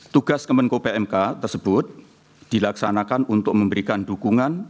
tugas kemenko pmk tersebut dilaksanakan untuk memberikan dukungan